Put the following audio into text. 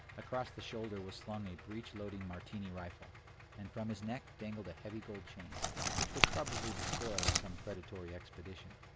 Across the shoulders was slung a breech loading Martini rifle, and from his neck dangled a heavy gold chain, which was probably the spoil of some predatory expedition.